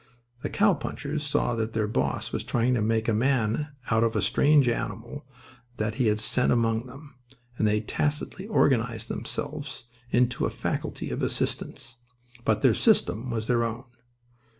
The cowpunchers saw that their boss was trying to make a man out of the strange animal that he had sent among them; and they tacitly organised themselves into a faculty of assistants. But their system was their own.